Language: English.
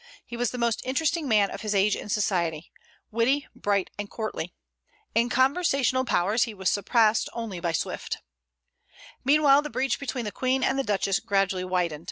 He was the most interesting man of his age in society, witty, bright, and courtly. In conversational powers he was surpassed only by Swift. Meanwhile the breach between the Queen and the Duchess gradually widened.